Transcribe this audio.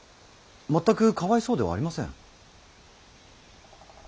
全くかわいそうではありません。